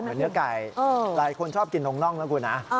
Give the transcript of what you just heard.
เหมือนเนื้อไก่หลายคนชอบกินตรงน่องน่ะคุณนะ